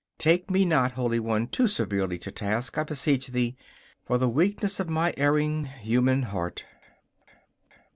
Take me not, holy one, too severely to task, I beseech thee, for the weakness of my erring human heart!